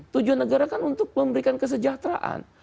tujuan negara kan untuk memberikan kesejahteraan